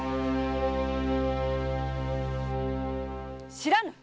知らぬ！